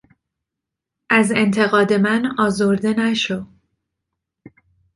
از انتقاد من آزرده نشو!